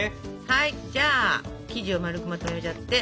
はいじゃあ生地を丸くまとめちゃって。